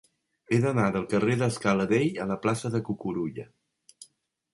He d'anar del carrer de Scala Dei a la plaça de Cucurulla.